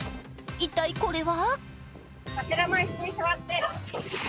一体これは？